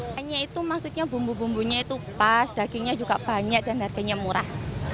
hanya itu maksudnya bumbu bumbunya itu pas dagingnya juga banyak dan harganya murah